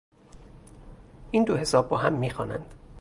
این دو حساب با هم میخوانند.